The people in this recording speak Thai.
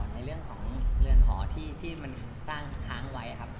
ในเรื่องของเรือนหอที่มันสร้างค้างไว้ครับ